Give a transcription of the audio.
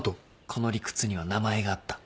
この理屈には名前があった。